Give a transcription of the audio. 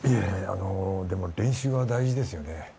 あのでも練習は大事ですよね